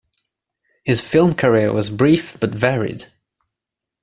His film career was brief, but varied.